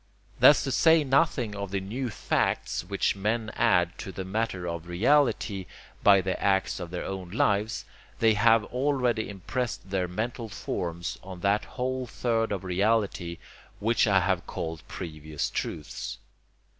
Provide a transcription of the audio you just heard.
Thus, to say nothing of the new FACTS which men add to the matter of reality by the acts of their own lives, they have already impressed their mental forms on that whole third of reality which I have called 'previous truths.'